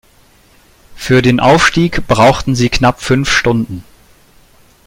Für den Aufstieg brauchten sie knapp fünf Stunden.